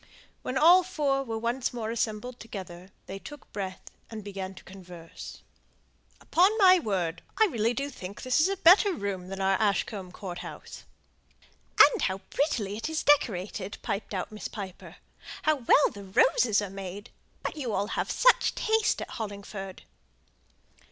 When all four were once more assembled together, they took breath, and began to converse. "Upon my word, I really do think this is a better room than our Ashcombe Court house!" "And how prettily it is decorated!" piped out Miss Piper. "How well the roses are made! But you all have such taste at Hollingford."